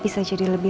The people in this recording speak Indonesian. tidak ada apa apa